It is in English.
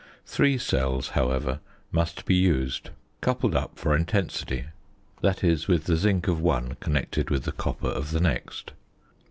Three cells (fig. 56), however, must be used, coupled up for intensity, that is, with the zinc of one connected with the copper of the next.